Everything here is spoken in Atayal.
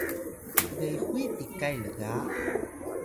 msbehuy tikay lga